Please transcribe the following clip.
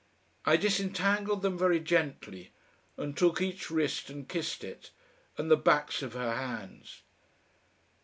I disentangled them very gently, and took each wrist and kissed it, and the backs of her hands.